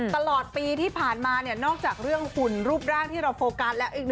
ตลอดปีที่ผ่านมาเนี่ยนอกจากเรื่องหุ่นรูปร่างที่เราโฟกัสแล้ว